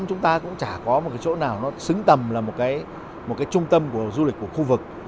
chúng ta cũng chả có một cái chỗ nào nó xứng tầm là một cái trung tâm của du lịch của khu vực